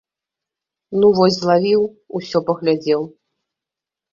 Ну вось злавіў, усё паглядзеў.